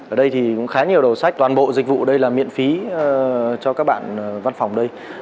ở đây thì cũng khá nhiều đầu sách toàn bộ dịch vụ đây là miễn phí cho các bạn văn phòng đây